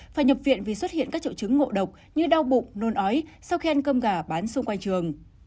phải nhập viện vì xuất hiện các triệu chứng ngộ độc như đau bụng nôn ói sau khi ăn cơm gà bán xung quanh trường